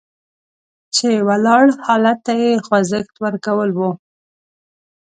چې ولاړ حالت ته یې خوځښت ورکول وو.